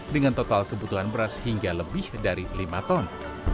dengan total kebutuhan beras hingga lebih dari lima ton